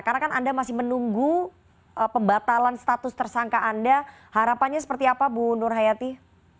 karena anda masih menunggu pembatalan status tersangka anda harapannya seperti apa bu nur hayatin